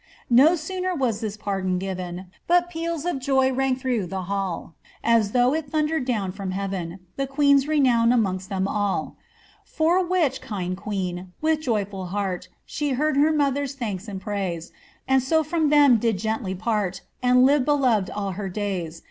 No sooner was this pardon given, But peals of joy rang through the hall, As though it thundered down from Heaven, The queen's renown amongst them alL For which, kind queen, with joyful heart, She heard their mothers' thanks and praise; And so from them did gently part, And liyed beloved all her days.